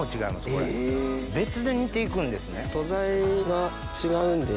別で煮て行くんですね。